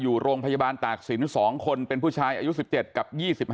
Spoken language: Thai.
อยู่โรงพยาบาลตากศิลป์๒คนเป็นผู้ชายอายุ๑๗กับ๒๕